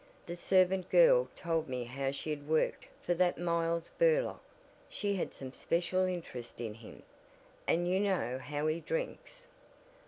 The servant girl told me how she had worked for that Miles Burlock, she had some special interest in him, and you know how he drinks."